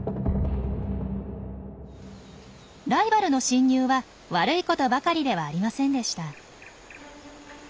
ライバルの侵入は悪いことばかりではありませんでした。